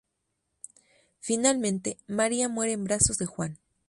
Finalmente, María muere en brazos de Juan.